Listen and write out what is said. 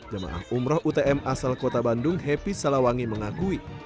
jemaah umroh utm asal kota bandung happy salawangi mengakui